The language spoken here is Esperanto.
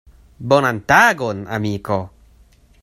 Bonan tagon, amiko.